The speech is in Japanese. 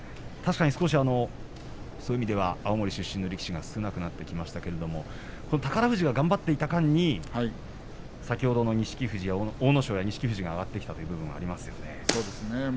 そういう意味では青森出身の力士少なくなってきましたが宝富士が頑張っている間に先ほどの錦富士と阿武咲が上がってきたということはありますよね。